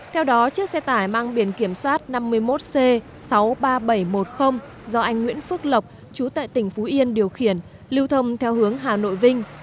theo đó chiếc xe tải mang biển kiểm soát năm mươi một c sáu mươi ba nghìn bảy trăm một mươi do anh nguyễn phước lộc chú tại tỉnh phú yên điều khiển lưu thông theo hướng hà nội vinh